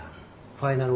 ファイナル。